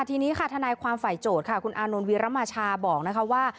ทีนี้ค่ะธนายความฝ่ายโจทย์คุณอานนูลวีรมชาบอกว่า